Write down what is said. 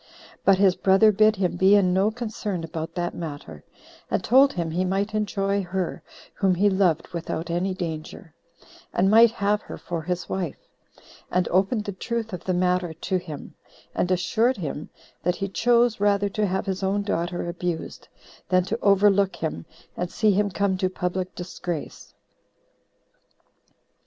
But his brother bid him be in no concern about that matter, and told him he might enjoy her whom he loved without any danger, and might have her for his wife; and opened the truth of the matter to him, and assured him that he chose rather to have his own daughter abused, than to overlook him, and see him come to [public] disgrace.